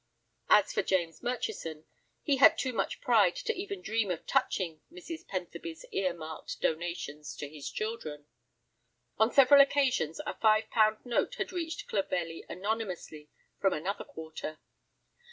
As for James Murchison, he had too much pride to ever dream of touching Mrs. Pentherby's "ear marked" donations to his children. On several occasions a five pound note had reached Clovelly anonymously from another quarter.